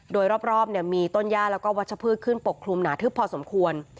โดยรอบมีต้นย่าแล้วก็วัชพืชขึ้นปกคลุมหนาทึบพอสมควร